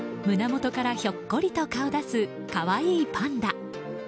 胸元からひょっこりと顔を出す可愛いパンダ。